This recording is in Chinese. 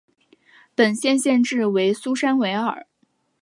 本县县治为苏珊维尔。